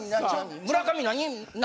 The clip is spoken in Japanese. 村上何？